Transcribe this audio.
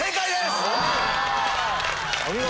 お見事！